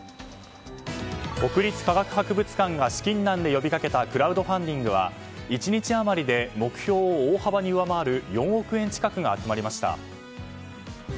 国立科学博物館が資金難で呼びかけたクラウドファンディングは１日余りで目標を大きく上回る４億円近くが集まりました。